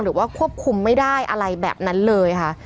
หรือว่าควบคุมไม่ได้อะไรแบบนั้นเลยค่ะ